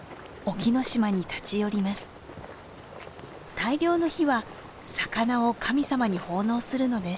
大漁の日は魚を神様に奉納するのです。